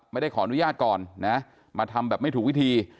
ไม่ได้ขออนุญาตก่อนนะมาทำแบบไม่ถูกวิธี